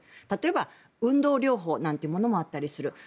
例えば、運動療法なんてものがあったりする。